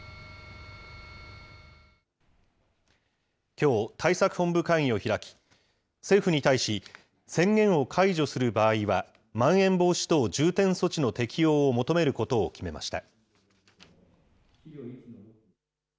きょう、対策本部会議を開き、政府に対し、宣言を解除する場合は、まん延防止等重点措置の適用を求めることを決めました。